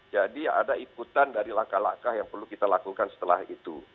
ada ikutan dari langkah langkah yang perlu kita lakukan setelah itu